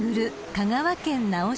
香川県直島］